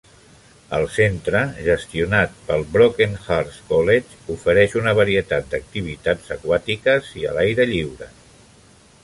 El centre, gestionat pel Brockenhurst College, ofereix una varietat d'activitats aquàtiques i a l'aire lliure.